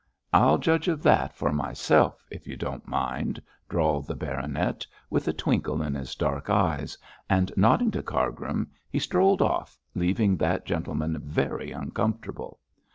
'I'll judge of that for myself, if you don't mind,' drawled the baronet, with a twinkle in his dark eyes, and nodding to Cargrim, he strolled off, leaving that gentleman very uncomfortable.